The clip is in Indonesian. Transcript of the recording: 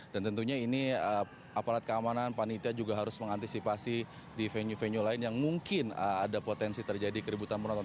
dan tentunya ini apalagi keamanan panitia juga harus mengantisipasi di venue venue lain yang mungkin ada potensi terjadi keributan penonton